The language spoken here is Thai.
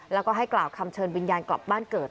แล้วก็ให้กล่าวคำเชิญวิญญาณกลับบ้านเกิด